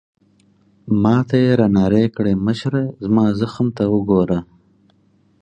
ما ته يې رانارې کړې: مشره، زما زخم ته وګوره.